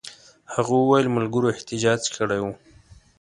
هغه وویل ملګرو احتجاج کړی وو.